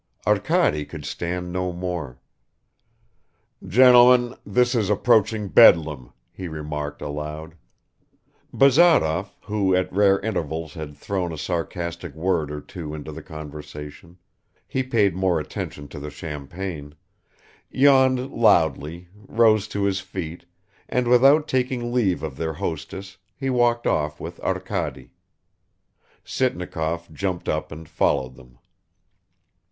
.." Arkady could stand no more. "Gentlemen, this is approaching bedlam," he remarked aloud. Bazarov, who at rare intervals had thrown a sarcastic word or two into the conversation he paid more attention to the champagne yawned loudly, rose to his feet and without taking leave of their hostess, he walked off with Arkady. Sitnikov jumped up and followed them.